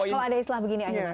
kalau ada islah begini